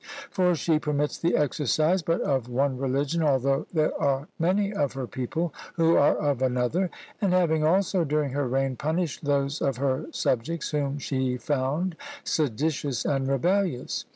For she permits the exercise but of one religion, although there are many of her people who are of another; and having also, during her reign, punished those of her subjects whom she found seditious and rebellious.